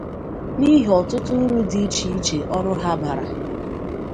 n'ihi ọtụtụ uru dị iche iche ọrụ ha bara.